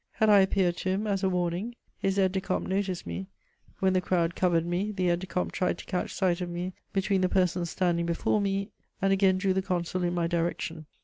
Had I appeared to him as a warning? His aide de camp noticed me: when the crowd covered me, the aide de camp tried to catch sight of me between the persons standing before me, and again drew the Consul in my direction.